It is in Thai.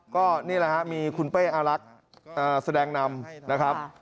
ก็นี่แหละครับมีคุณเป้อารักษ์แสดงนำนะครับ